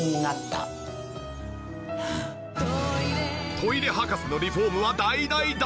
トイレ博士のリフォームは大大大成功！